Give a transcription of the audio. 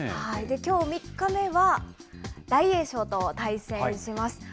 きょう３日目は、大栄翔と対戦します。